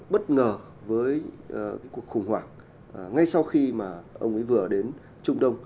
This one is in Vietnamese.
bất ngờ với cuộc khủng hoảng ngay sau khi mà ông ấy vừa đến trung đông